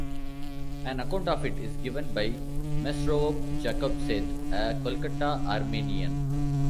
An account of it is given by Mesrovb Jacob Seth, a Kolkatta Armenian.